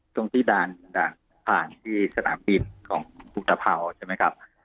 ตรงที่ด่านผ่านที่สนามบินของอุตภาวใช่ไหมครับ